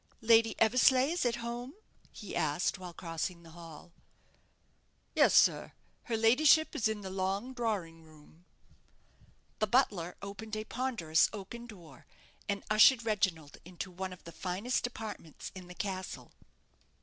"Lady Eversleigh is at home?" he asked, while crossing the hall. "Yes, sir; her ladyship is in the long drawing room." The butler opened a ponderous oaken door, and ushered Reginald into one of the finest apartments in the castle.